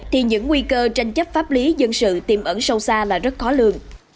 thì những nguy cơ tranh chấp pháp lý dân sự tiềm ẩn sâu xa là rất khó lường